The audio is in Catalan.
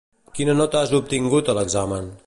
Quina nota has obtingut a l'examen?